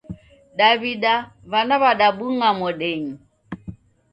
Daw'ida w'ana w'adabung'a modenyi.